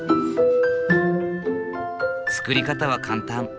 作り方は簡単。